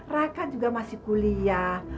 rakan juga masih kuliah